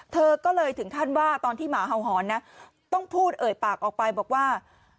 เธอก็เลยถึงขั้นว่าตอนที่หมาเห่าหอนนะต้องพูดเอ่ยปากออกไปบอกว่า